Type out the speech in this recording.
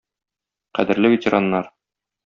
Кадерле ветераннар!